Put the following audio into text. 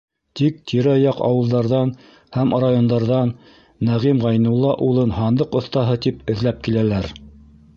Тик тирә-яҡ ауылдарҙан һәм райондарҙан Нәғим Ғәйнулла улын һандыҡ оҫтаһы тип эҙләп киләләр.